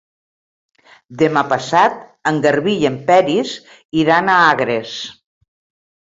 Demà passat en Garbí i en Peris iran a Agres.